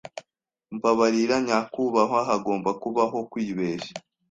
Mbabarira, nyakubahwa. Hagomba kubaho kwibeshya.